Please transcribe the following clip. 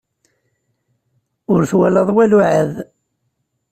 Ur twalaḍ walu ɛad.